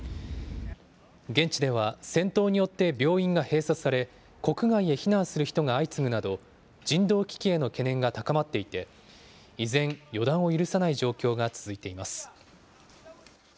現地では、戦闘によって病院が閉鎖され、国外へ避難する人が相次ぐなど、人道危機への懸念が高まっていて、依然、予断を許さない状況が続いています。